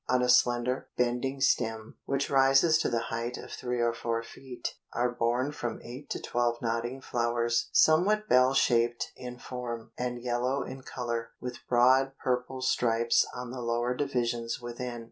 On a slender, bending stem, which rises to the height of three or four feet, are borne from eight to twelve nodding flowers, somewhat bell shaped in form, and yellow in color, with broad purple stripes on the lower divisions within.